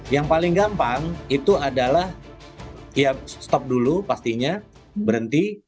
yang paling gampang itu adalah ya stop dulu pastinya berhenti